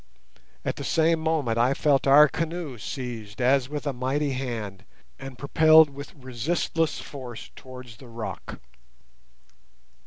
At the same moment I felt our canoe seized as with a mighty hand, and propelled with resistless force towards the rock.